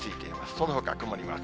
そのほか曇りマーク。